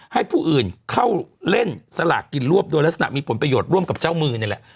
ให้ผู้อื่นเข้าเล่นสลากกินรวบโดยลักษณะมีผลประโยชน์ร่วมกับเจ้ามือนี่แหละ